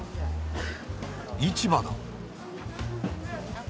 市場だ。